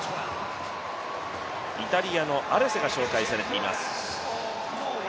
イタリアのアレセが紹介されています。